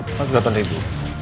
empat puluh delapan ribu